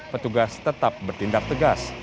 petugas tetap bertindak tegas